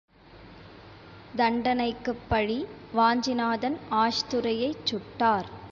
தண்டனைக்குப் பழி வாஞ்சிநாதன் ஆஷ்துரையைச் சுட்டார்.